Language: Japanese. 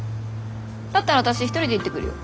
だったら私一人で行ってくるよ。